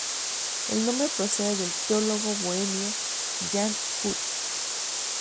El nombre procede del teólogo bohemio Jan Hus.